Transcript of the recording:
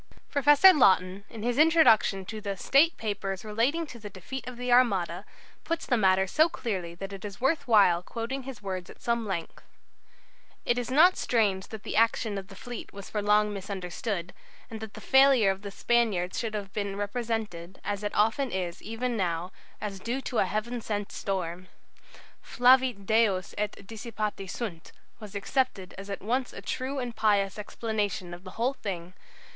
Professor Laughton, in his introduction to the "State Papers relating to the Defeat of the Armada," puts the matter so clearly that it is worth while quoting his words at some length: "It is not strange that the action of the fleet was for long misunderstood, and that the failure of the Spaniards should have been represented as it often is even now as due to a Heaven sent storm. 'Flavit Deus et dissipati sunt' was accepted as at once a true and pious explanation of the whole thing.